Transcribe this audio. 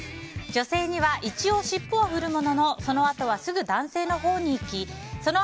女性には一応、尻尾は振るもののそのあとはすぐ男性のほうに行きその